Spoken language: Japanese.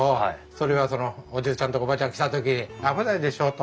それはそのおじいちゃんとかおばあちゃん来た時に危ないでしょうと。